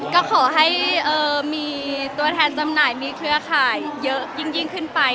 ก็ขอให้มีตัวแทนจำหน่ายมีเครือข่ายเยอะยิ่งขึ้นไป